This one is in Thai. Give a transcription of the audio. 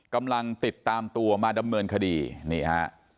กำลังติดตามตัวมาดำเนินคดีนี่ฮะ